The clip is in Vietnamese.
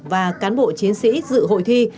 và cán bộ chiến sĩ dự hội thi